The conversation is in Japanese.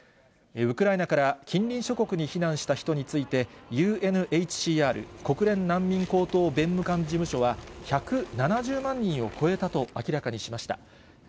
ウクライナから近隣諸国に避難した人について、ＵＮＨＣＲ・国連難民高等弁務官事務所は１７０万人を超えたと明らかにしました。